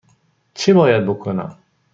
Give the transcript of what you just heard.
چه باید بکنم؟